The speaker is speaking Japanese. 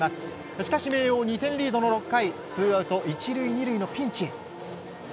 しかし、明桜２点リードの６回ツーアウト１塁２塁のピンチ。